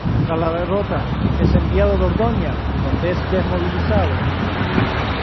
Tras la derrota, es enviado a Dordoña, donde es desmovilizado.